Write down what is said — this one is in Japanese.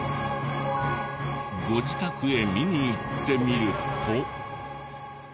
ご自宅へ見に行ってみると。